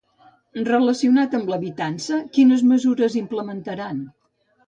Relacionat amb l'habitança, quines mesures implementaran?